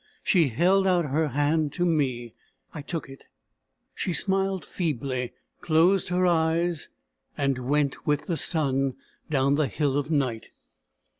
She held out her hand to me. I took it. She smiled feebly, closed her eyes, and went with the sun, down the hill of night.